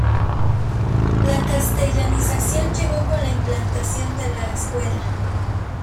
La castellanización llegó con la implantación de la escuela.